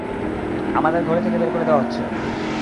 আমাদের ঘরে থেকে বের করে দেওয়া হচ্ছে।